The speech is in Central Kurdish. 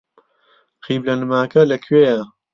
قیبلەنماکە لەکوێیە؟